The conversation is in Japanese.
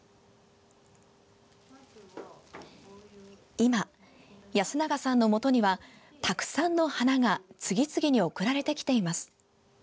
今、安永さんのもとにはたくさんの花が次々に送られてきています。